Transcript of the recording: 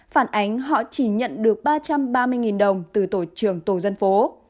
phản ánh họ chỉ nhận được ba trăm ba mươi đồng từ tổ trưởng tổ dân phố